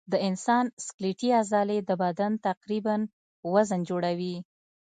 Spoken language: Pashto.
د انسان سکلیټي عضلې د بدن تقریباً وزن جوړوي.